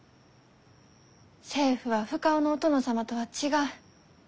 政府は深尾のお殿様とは違う。